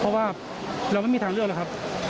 เพราะว่าเราไม่มีทางเลือกแล้วครับ